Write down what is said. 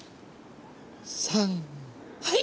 さんはい！